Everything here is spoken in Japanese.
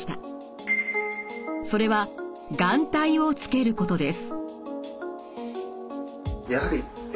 それは眼帯をつけることです。